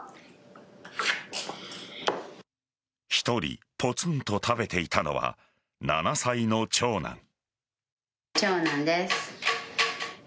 １人ポツンと食べていたのは７歳の長男。